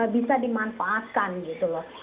bisa dimanfaatkan gitu loh